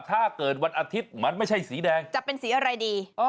ถ้าเกิดวันอาทิตย์มันไม่ใช่สีแดงจะเป็นสีอะไรดี